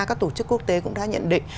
các tổ chức quốc tế cũng đã nhận định